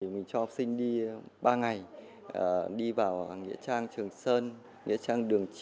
mình cho học sinh đi ba ngày đi vào nghĩa trang trường sơn nghĩa trang đường chín